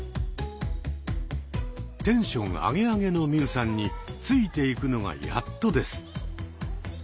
テンションアゲアゲの海さんについていくのがやっとです。